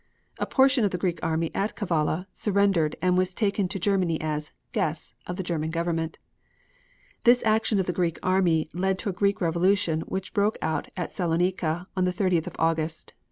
A portion of the Greek army at Kavalla surrendered and was taken to Germany as "guests" of the German Government. This action of the Greek army led to a Greek revolution which broke out at Saloniki on the 30th of August.